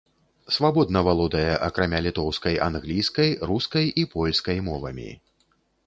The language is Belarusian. Свабодна валодае акрамя літоўскай англійскай, рускай і польскай мовамі.